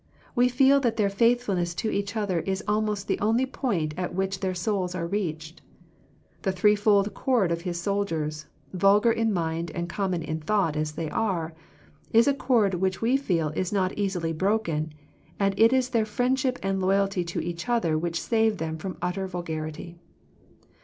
We feel that their faith fulness to each other is almost the only point at which their souls are reached. The threefold cord of his soldiers, vulgar in mind and common in thought as they are, is a cord which we feel is not easily broken, and it is their friendship and loy alty to each other which save them from utter vulgarity.